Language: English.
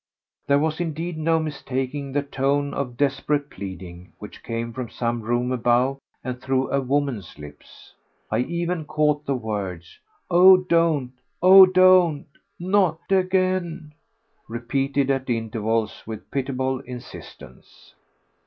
There was indeed no mistaking the tone of desperate pleading which came from some room above and through & woman's lips. I even caught the words: "Oh, don't! Oh, don't! Not again!" repeated at intervals with pitiable insistence.